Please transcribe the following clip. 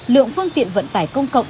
lượng phương tiện vận tải công cộng